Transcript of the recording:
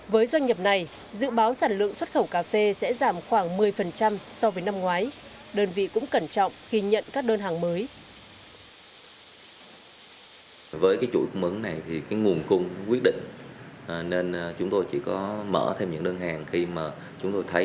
với doanh nghiệp này dự báo sản lượng xuất khẩu cà phê sẽ giảm khoảng một mươi so với năm ngoái